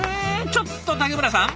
ちょっと竹村さん！